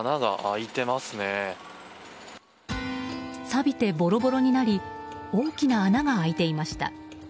さびてボロボロになり大きな穴が開いていました。